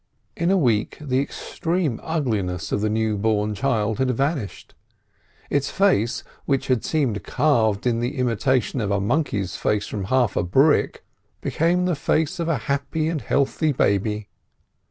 In a week the extreme ugliness of the newborn child had vanished. Its face, which had seemed carved in the imitation of a monkey's face from half a brick, became the face of a happy and healthy baby.